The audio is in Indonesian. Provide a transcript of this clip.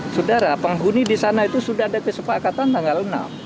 saudara penghuni di sana itu sudah ada kesepakatan tanggal enam